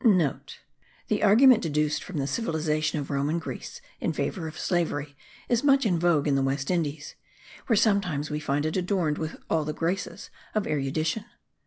(* The argument deduced from the civilization of Rome and Greece in favour of slavery is much in vogue in the West Indies, where sometimes we find it adorned with all the graces of erudition.